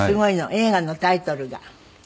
映画のタイトルが。